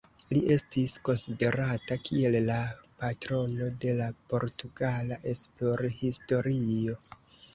Li estis konsiderata kiel la patrono de la Portugala esplorhistorio.